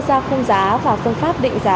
ra khung giá và phương pháp định giá